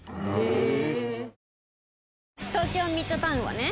東京ミッドタウンはね